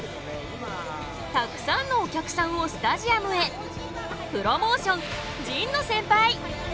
たくさんのお客さんをスタジアムへプロモーション陳野センパイ。